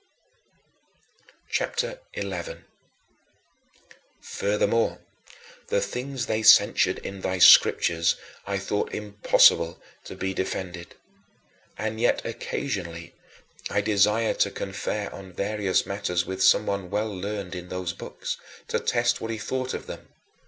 CHAPTER XI 21. Furthermore, the things they censured in thy Scriptures I thought impossible to be defended. And yet, occasionally, I desired to confer on various matters with someone well learned in those books, to test what he thought of them.